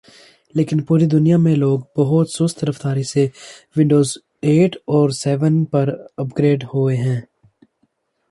لیکن پوری دنیا میں لوگ بہت سست رفتاری سے ونڈوزایٹ اور سیون پر اپ گریڈ ہوہے ہیں